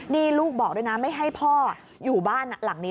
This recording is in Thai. นี่ลูกบอกด้วยนะไม่ให้พ่ออยู่บ้านหลังนี้